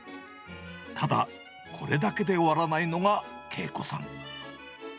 ただ、これだけで終わらないのが慶子さん。